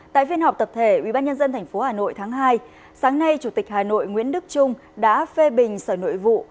tại phiên họp tập thể ubnd tp hà nội tháng hai sáng nay chủ tịch hà nội nguyễn đức trung đã phê bình sở nội vụ